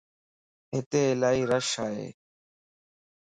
ھتي الائي رش ائي